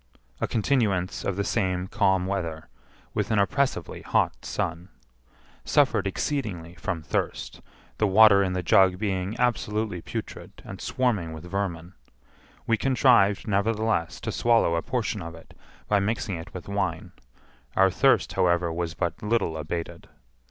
A continuance of the same calm weather, with an oppressively hot sun. Suffered exceedingly from thirst, the water in the jug being absolutely putrid and swarming with vermin. We contrived, nevertheless, to swallow a portion of it by mixing it with wine; our thirst, however, was but little abated.